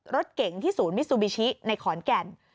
รถเก๋งที่ศูนย์มิซูบิชิในขอนแก่น